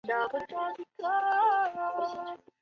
这是该国第十五次参加亚运。